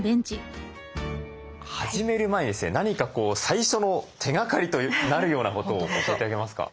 始める前にですね何か最初の手がかりになるようなことを教えて頂けますか。